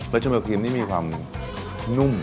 เบอร์ชัมเบอร์ครีมนี่มีความนุ่ม